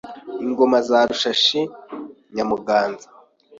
Ingoma za Ruhashi Nyamuganza